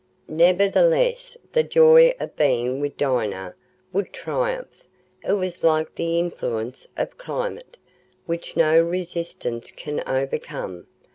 Nevertheless the joy of being with Dinah would triumph—it was like the influence of climate, which no resistance can overcome.